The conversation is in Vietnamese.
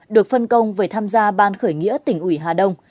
được phân công về tham gia ban khởi nghĩa tỉnh ủy hà đông